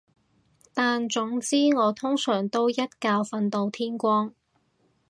但總之我通常都一覺瞓到天光